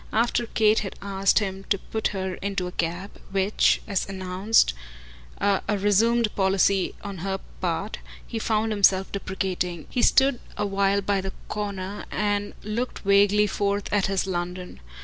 After Kate had asked him to put her into a cab which, as an announced, a resumed policy on her part, he found himself deprecating he stood a while by a corner and looked vaguely forth at his London.